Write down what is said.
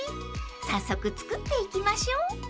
［早速作っていきましょう］